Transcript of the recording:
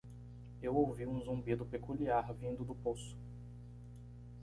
Eu ouvi um zumbido peculiar vindo do poço.